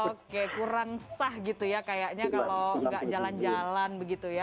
oke kurang sah gitu ya kayaknya kalau nggak jalan jalan begitu ya